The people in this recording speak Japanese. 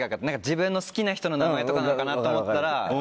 自分の好きな人の名前とかなのかなと思ったら。